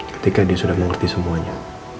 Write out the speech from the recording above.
ketika dia sudah mengerti semuanya